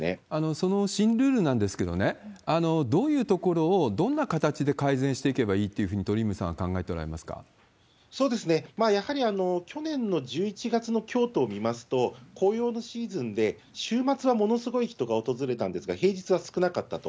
その新ルールなんですけどね、どういうところをどんな形で改善していけばいいっていうふうに鳥やはり去年の１１月の京都を見ますと、紅葉のシーズンで、週末はものすごい人が訪れたんですが、平日は少なかったと。